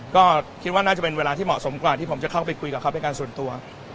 ก็คิดว่าน่าจะเป็นเวลาที่เหมาะสมกว่าที่ผมจะเข้าไปคุยกับเขาเป็นการส่วนตัว